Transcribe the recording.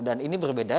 dan ini berbeda